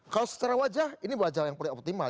kalau secara wajah ini wajah yang paling optimal